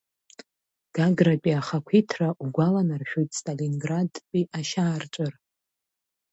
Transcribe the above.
Гагратәи ахақәиҭра иугәаланаршәоит Сталинградтәи ашьаарҵәыра.